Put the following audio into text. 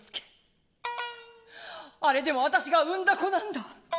あれでもあたしが生んだ子なんだ。